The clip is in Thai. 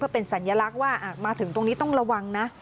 เป็นสัญลักษณ์ว่ามาถึงตรงนี้ต้องระวังนะ